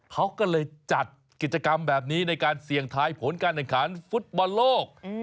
เขาก็เลยจัดกิจกรรมแบบนี้ในการเสี่ยงทายผลการแข่งขันฟุตบอลโลก